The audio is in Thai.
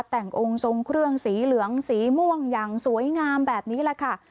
แต่งองค์ทรงเครื่องสีเหลืองสีม่วงอย่างสวยงามแบบนี้แหละค่ะ